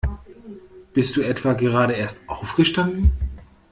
Bist du etwa gerade erst aufgestanden?